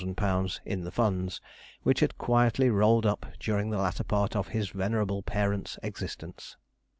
_ in the funds, which had quietly rolled up during the latter part of his venerable parent's existence.